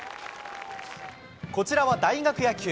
こちらは大学野球。